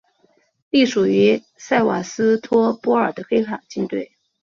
隶属于塞瓦斯托波尔的黑海舰队。